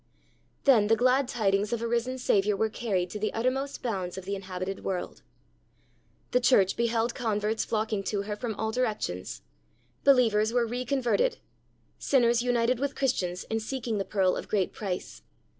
Then the glad tidings of a risen Saviour were carried to the uttermost bounds of the inhabited world. The church beheld converts flocking to her from all directions. Believers were re converted. Sinners united with Christians in seeking the pearl of great price.